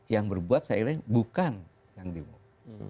yang berbuat saya kira bukan yang demo